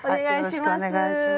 よろしくお願いします。